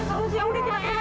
dia imported dia masuk bahaya